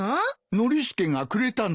ノリスケがくれたんだ。